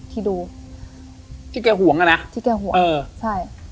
ที่ดูที่แกห่วงอ่ะนะที่แกห่วงเออใช่